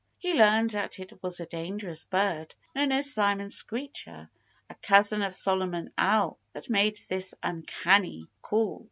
He learned that it was a dangerous bird known as Simon Screecher a cousin of Solomon Owl that made this uncanny call.